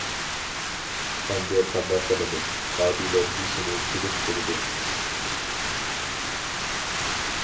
ئەمدى قانداق قىلىمىز؟ ئادىلە بېشىنى سېلىپ تۇردى.